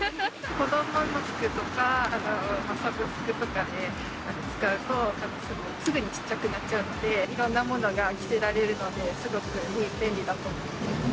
子どもの服とか、サブスクとかで使うと、なんかすぐにちっちゃくなっちゃうので、いろんなものが着せられるので、すごく便利だと思ってます。